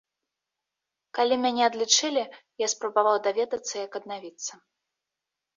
Калі мяне адлічылі, я спрабаваў даведацца, як аднавіцца.